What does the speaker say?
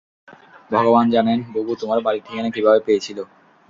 ভগবান জানেন, বুবু তোমার বাড়ির ঠিকানা কীভাবে পেয়েছিল।